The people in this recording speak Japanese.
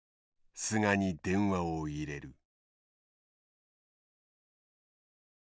菅に電話を入れる。